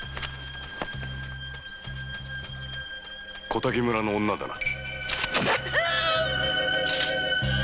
小滝村の女だな！？